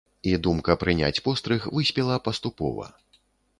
І думка прыняць пострыг выспела паступова.